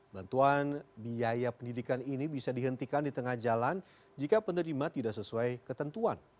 bantuan biaya pendidikan ini bisa dihentikan di tengah jalan jika penerima tidak sesuai ketentuan